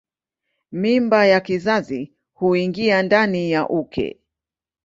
Mimba ya kizazi huingia ndani ya uke.